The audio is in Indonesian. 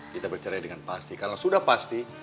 kita bercerai dengan pasti karena sudah pasti